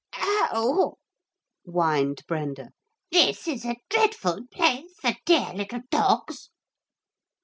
'Oh!' whined Brenda; 'this is a dreadful place for dear little dogs!'